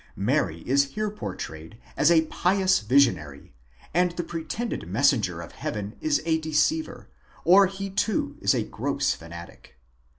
Mary is here pourtrayed as a pious visionary, and the pretended messenger of heaven as.a deceiver, or he too is a gross fanatic.